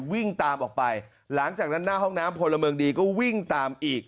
วิ่งตามออกไปหลังจากนั้นหน้าห้องน้ำพลเมืองดีก็วิ่งตามอีก